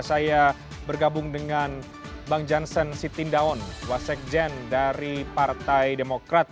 saya bergabung dengan bang jansen sitindaon wasekjen dari partai demokrat